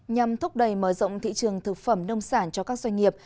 nhằm thúc đẩy mở rộng thị trường thực phẩm nông sản cho các doanh nghiệp